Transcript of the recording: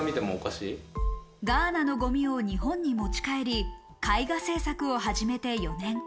ガーナのゴミを日本に持ち帰り、絵画制作を始めて４年。